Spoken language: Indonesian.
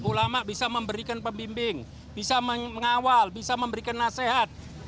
ulama bisa memberikan pembimbing bisa mengawal bisa memberikan nasihat